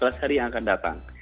empat belas hari yang akan datang